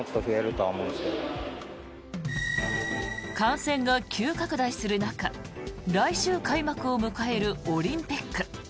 感染が急拡大する中来週開幕を迎えるオリンピック。